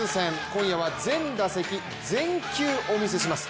今夜は全打席全球お見せします。